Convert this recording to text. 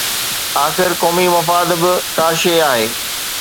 آخر قومي مفاد به ڪا شيءِ آهي.